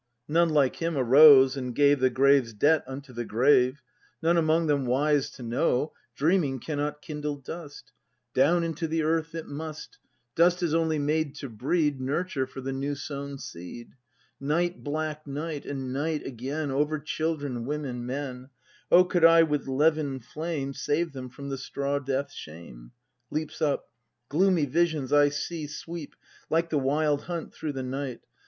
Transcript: None, like him, arose, and gave The grave's debt unto the grave; None among them wise to know: "Dreaming cannot kindle dust, Down into the earth it must, Dust is only made to breed Nurture for the new sown seed." Night, black night,— and night again Over children, women, men! O could I with levin flame Save them from the straw death's shame ! [Leaps up.] Gloomy visions I see sweep Like the Wild Hunt through the night.